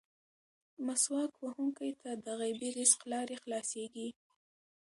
مسواک وهونکي ته د غیبي رزق لارې خلاصېږي.